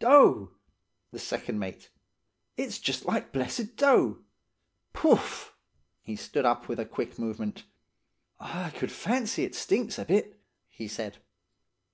"'Dough!' the second mate. 'It's just like blessed dough! Pouf!' He stood up with a quick movement. 'I could fancy it stinks a bit,' he said.